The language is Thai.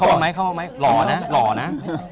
เข้ามาไหมเข้ามีหนักไหมรหรหนะ